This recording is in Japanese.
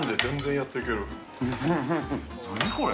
何これ。